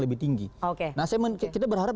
lebih tinggi oke nah kita berharap